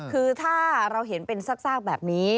คือถ้าเราเห็นเป็นซากแบบนี้